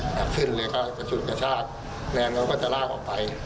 หนักขึ้นเลยก็กระสุนกระชาติแม็กซ์เขาก็จะลากออกไป